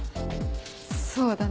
そうだね。